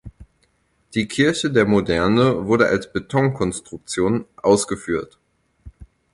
Die Kirche der Moderne wurde als Betonkonstruktion ausgeführt.